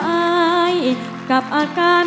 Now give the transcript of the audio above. แสนสองครับผมแสนสองครับผม